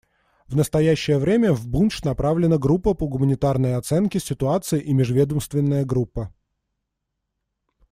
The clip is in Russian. В настоящее время в Бундж направлены группа по гуманитарной оценке ситуации и межведомственная группа.